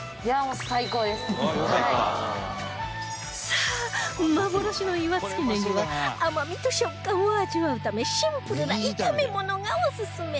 さあ幻の岩槻ねぎは甘みと食感を味わうためシンプルな炒め物がオススメ